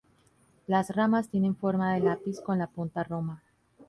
Las ramas tienen forma de lápiz con la punta roma.